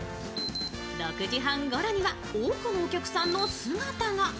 ６時半ごろには多くのお客さんの姿が。